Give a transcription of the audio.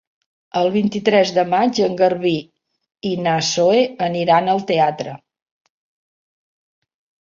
El vint-i-tres de maig en Garbí i na Zoè aniran al teatre.